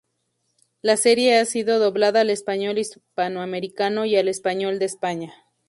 La serie ha sido doblada al español hispanoamericano y al español de España.